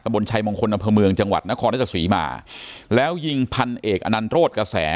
ตะบนชัยมงคลนพมเมืองจังหวัดนครรศสวีมาแล้วยิงพันเอกอานันโตรดกระแส